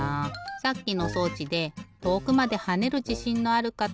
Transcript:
さっきの装置で遠くまで跳ねるじしんのあるかた。